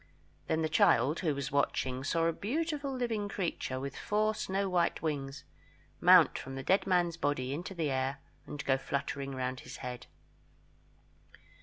Then the child, who was watching, saw a beautiful living creature, with four snow white wings, mount from the dead man's body into the air and go fluttering round his head.